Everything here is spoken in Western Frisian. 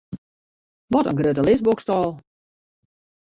Wat in grutte lisboksstâl!